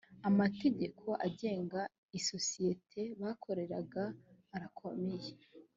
amategeko agenga isosiyete bakoreraga arakomeye.